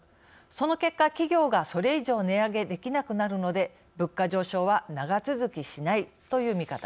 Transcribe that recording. その結果企業がそれ以上値上げできなくなるので物価上昇は長続きしないという見方です。